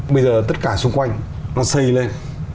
bây giờ tất cả xung quanh nó xây lên